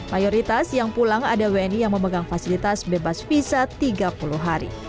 mayoritas yang pulang ada wni yang memegang fasilitas bebas visa tiga puluh hari